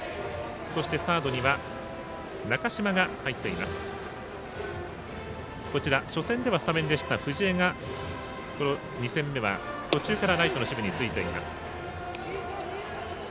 そして、サードには初戦ではスタメンでした藤江が２戦目は途中からライトの守備についています。